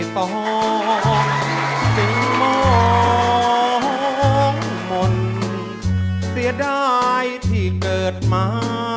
ท้องหม่นเสียดายที่เกิดมา